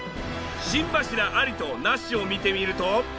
心柱ありとなしを見てみると。